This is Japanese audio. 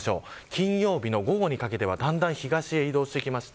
金曜日の午後にかけてはだんだん東へ移動します。